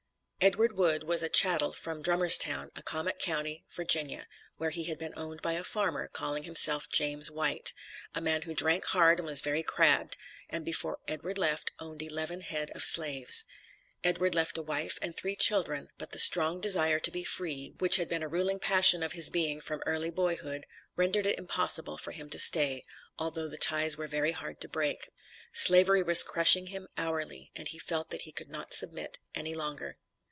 Edward Wood was a "chattel" from Drummerstown, Accomac county, Virginia, where he had been owned by a farmer, calling himself James White; a man who "drank hard and was very crabbed," and before Edward left owned eleven head of slaves. Edward left a wife and three children, but the strong desire to be free, which had been a ruling passion of his being from early boyhood, rendered it impossible for him to stay, although the ties were very hard to break. Slavery was crushing him hourly, and he felt that he could not submit any longer.